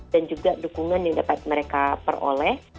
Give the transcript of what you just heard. dan juga dukungan yang dapat mereka peroleh